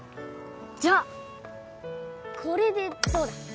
じゃあこれでどうだ